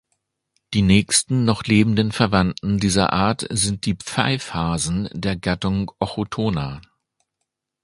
Die nächsten noch lebenden Verwandten dieser Art sind die Pfeifhasen der Gattung "Ochotona".